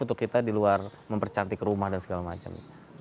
untuk kita di luar mempercantik rumah dan segala macam